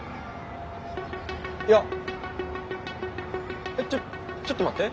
いやちょちょっと待って。